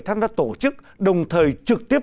tham gia tổ chức đồng thời trực tiếp